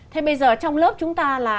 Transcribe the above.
thế bây giờ trong lớp chúng ta là